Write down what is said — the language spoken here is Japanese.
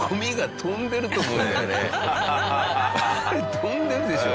飛んでるでしょ。